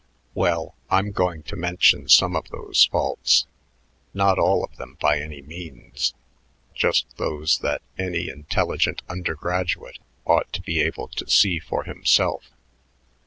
"Well, I'm going to mention some of those faults, not all of them by any means, just those that any intelligent undergraduate ought to be able to see for himself.